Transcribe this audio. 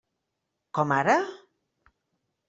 Com ara?